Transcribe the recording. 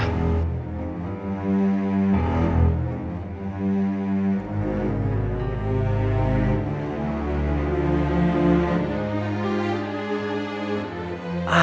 oke pak selamat tinggal